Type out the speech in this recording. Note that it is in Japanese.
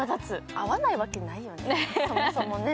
合わないわけないよね、そもそもね。